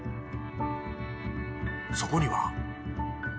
そこには。